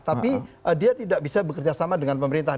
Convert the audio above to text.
tapi dia tidak bisa bekerja sama dengan pemerintah